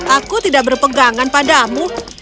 aku tidak berpegangan padamu